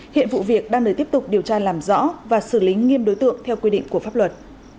hiện vụ việc đang được tiếp tục điều tra làm rõ và xử lý nghiêm đối tượng theo quy định của pháp luật